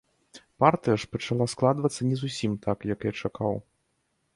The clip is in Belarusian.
Партыя ж пачала складвацца не зусім так, як я чакаў.